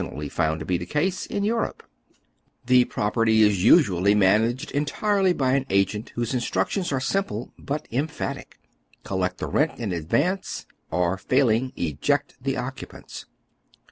ally found to be the case, in Europe, The property is oy Google WHAT HAS BEEN DOKE. 277 UEuallj managed entirely by an agent, whose instructions are simple but emphatic : Collect the rent in advance, or, failing, eject the oecupaiits."